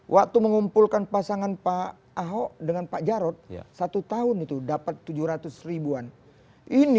waktu mengumpulkan pasangan pak ahok dengan pak jarod satu tahun itu dapat tujuh ratus ribuan ini